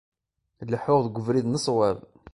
Leḥḥuɣ deg ubrid n ṣṣwab.